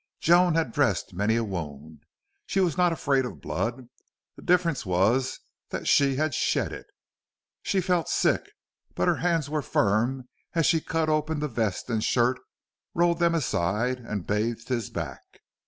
Joan had dressed many a wound. She was not afraid of blood. The difference was that she had shed it. She felt sick, but her hands were firm as she cut open the vest and shirt, rolled them aside, and bathed his back.